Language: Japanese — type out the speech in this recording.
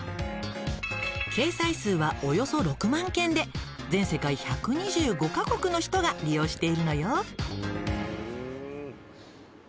掲載数はおよそ６万件で全世界１２５カ国の人が利用しているのよ。